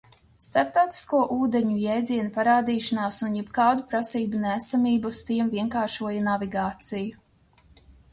Starptautisko ūdeņu jēdziena parādīšanās un jebkādu prasību neesamība uz tiem vienkāršoja navigāciju.